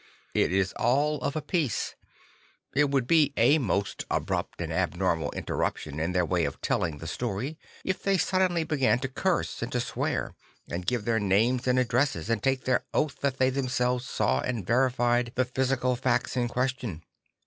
It is all of a piece; it would be a most abrupt and abnormal interruption in their way of telling the story if they suddenly began to curse and to swear, and give their names and addresses, and take their oath that they themselves saw and verified the physical facts in question.